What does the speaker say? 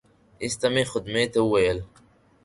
ایسته مې خدمې ته وویل.